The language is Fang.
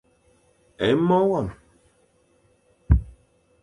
É mo wam.